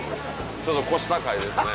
ちょっと腰高いですね。